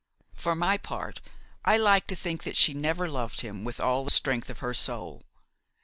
For my part, I like to think that she never loved him with all the strength of her soul.